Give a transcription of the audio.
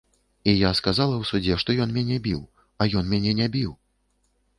І я казала ў судзе, што ён мяне біў, а ён мяне не біў!